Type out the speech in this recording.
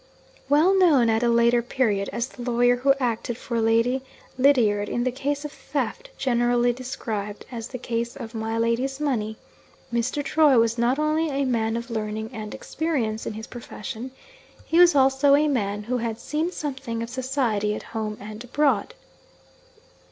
Well known, at a later period, as the lawyer who acted for Lady Lydiard, in the case of theft, generally described as the case of 'My Lady's Money,' Mr. Troy was not only a man of learning and experience in his profession he was also a man who had seen something of society at home and abroad.